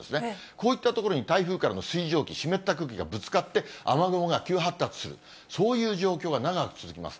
こういった所に台風からの水蒸気、湿った空気がぶつかって、雨雲が急発達する、そういう状況が長く続きます。